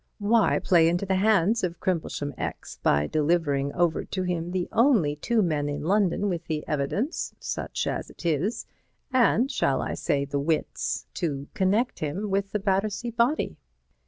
"Why play into the hands of Crimplesham X by delivering over to him the only two men in London with the evidence, such as it is, and shall I say the wits, to connect him with the Battersea body?"